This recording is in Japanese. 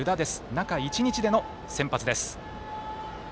中１日での先発です。